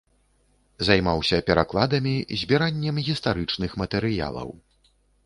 Займаўся перакладамі, збіраннем гістарычных матэрыялаў.